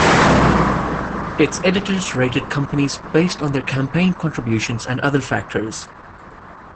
Its editors rated companies based on their campaign contributions and other factors.